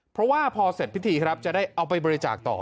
เพราะว่าพอเสร็จพิธีครับจะได้เอาไปบริจาคต่อ